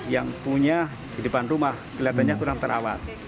yang punya di depan rumah kelihatannya kurang terawat